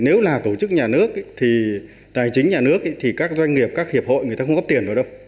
nếu là tổ chức nhà nước thì tài chính nhà nước thì các doanh nghiệp các hiệp hội người ta không góp tiền vào đâu